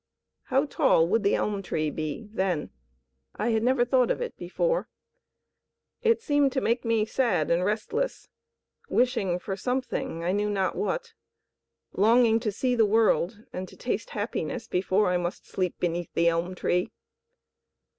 How tall would the elm tree be then? I had never thought of it before. It seemed to make me sad and restless, wishing for something, I knew not what, longing to see the world and to taste happiness before I must sleep beneath the elm tree.